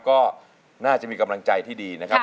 ก็น่าจะมีกำลังใจที่ดีนะครับ